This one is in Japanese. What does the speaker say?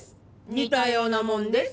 似たようなもんです。